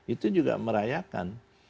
itu juga merayakan